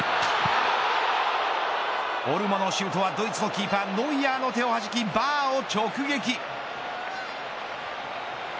オルモのシュートはドイツのキーパーノイアーの手を弾きバーを直撃。